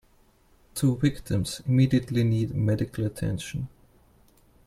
Two victims immediately need medical attention.